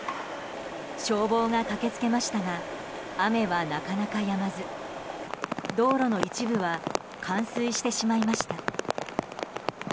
消防が駆け付けましたが雨は、なかなかやまず道路の一部は冠水してしまいました。